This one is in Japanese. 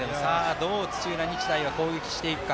どう土浦日大は攻撃していくか。